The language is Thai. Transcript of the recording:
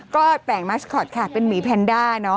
ก็แต่งมัสคอตค่ะเป็นหมีแพนด้าเนอะ